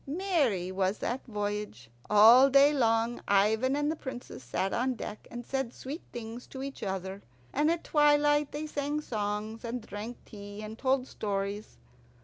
Merry was that voyage. All day long Ivan and the Princess sat on deck and said sweet things to each other, and at twilight they sang songs, and drank tea, and told stories.